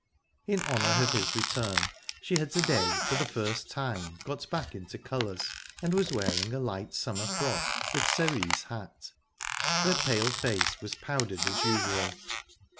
In honour of his return, she had to day for the first time got back into colours, and was wearing a light summer frock, with cerise hat; her pale face was powdered as usual.